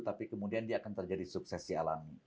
tapi kemudian dia akan terjadi sukses di alami